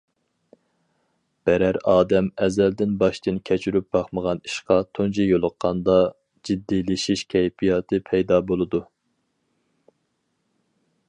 بىرەر ئادەم ئەزەلدىن باشتىن كەچۈرۈپ باقمىغان ئىشقا تۇنجى يولۇققاندا جىددىيلىشىش كەيپىياتى پەيدا بولىدۇ.